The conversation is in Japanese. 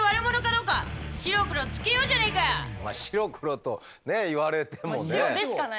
まあ「白黒」とね言われてもね。